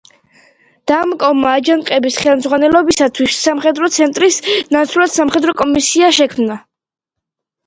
დამკომმა აჯანყების ხელმძღვანელობისთვის სამხედრო ცენტრის ნაცვლად სამხედრო კომისია შექმნა.